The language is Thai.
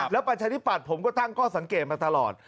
แล้วประชาธิปัตย์ผมก็ตั้งข้อสังเกตมาตลอด